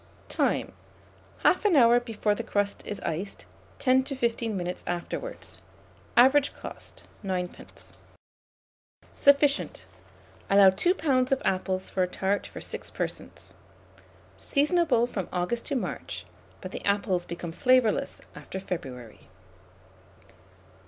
Time. 1/2 hour before the crust is iced; 10 to 15 minutes afterwards. Average cost, 9d. Sufficient. Allow 2 lbs. of apples for a tart for 6 persons. Seasonable from August to March; but the apples become flavourless after February.